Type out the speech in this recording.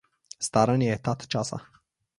Staranje je tat časa.